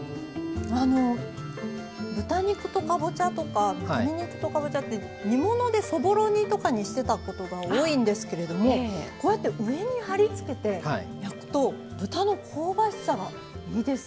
豚肉とかぼちゃとか鶏肉とかぼちゃって煮物でそぼろ煮とかにしてたことが多いんですけれどもこうやって上にはりつけて焼くと豚の香ばしさがいいですね。